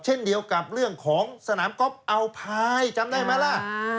เช่นเดียวกับเรื่องของสนามก๊อฟอัลพายจำได้ไหมล่ะ